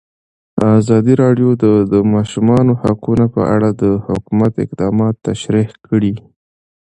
ازادي راډیو د د ماشومانو حقونه په اړه د حکومت اقدامات تشریح کړي.